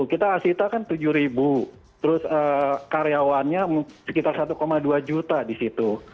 kita asita kan tujuh ribu terus karyawannya sekitar satu dua juta di situ